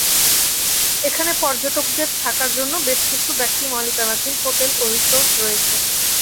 এখানে পর্যটকদের থাকার জন্য বেশ কিছু ব্যক্তিমালিকানাধীন হোটেল ও রিসোর্ট রয়েছে।